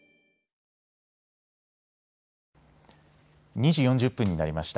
２時４０分になりました。